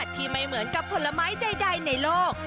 ที่ไม่เหมือนกับผลไม้ใดในโลก